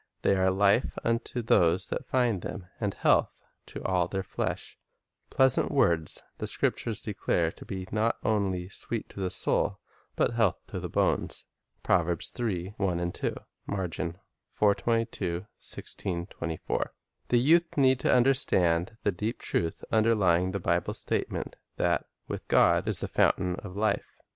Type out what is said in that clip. "They are life unto those that find them, and health to all their flesh." " Pleas ant words" the Scriptures declare to be not only "sweet to the soul," but "health to the bones." 1 The youth need to understand the deep truth under lying the Bible statement that with God "is the fountain of life."